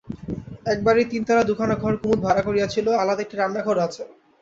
এক বাড়ির তিনতলায় দুখানা ঘর কুমুদ ভাড়া করিয়াছিল, আলাদা একটি রান্নাঘরও আছে।